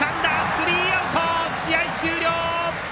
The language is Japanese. スリーアウト、試合終了！